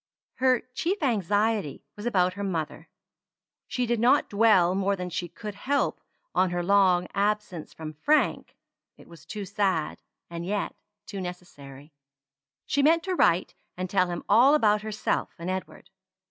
Her chief anxiety was about her mother. She did not dwell more than she could help on her long absence from Frank; it was too sad, and yet too necessary. She meant to write and tell him all about herself and Edward.